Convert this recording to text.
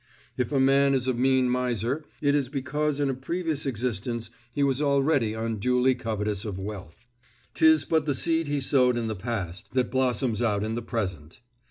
If a man is a mean miser, it is because in a previous existence he was already unduly covetous of wealth. 'Tis but the seed he sowed in the past, that blossoms out in the present.